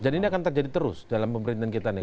jadi ini akan terjadi terus dalam pemerintahan kita nih